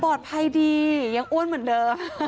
ภัยดียังอ้วนเหมือนเดิม